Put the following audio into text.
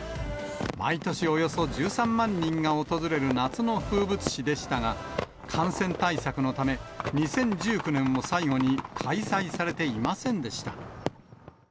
毎年およそ１３万人が訪れる夏の風物詩でしたが、感染対策のため、２０１９年を最後に開催されていませんでした。